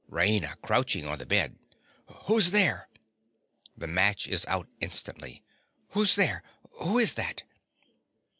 _) RAINA. (crouching on the bed). Who's there? (The match is out instantly.) Who's there? Who is that?